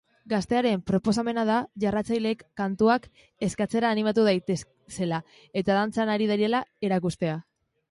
Gaztearen proposamena da jarraitzaileek kantuak eskatzera animatu daitezela eta dantzan ari direla erakustea.